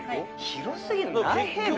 広すぎる何平米？